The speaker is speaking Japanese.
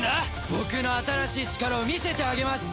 僕の新しい力を見せてあげます！